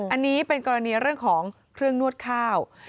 อันนี้เป็นกรณีเรื่องของเครื่องนวดข้าว